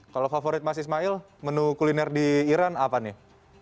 kalau favorit mas ismail menu kuliner di iran apa nih